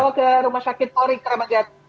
dan sudah dibawa ke rumah sakit oring kramajat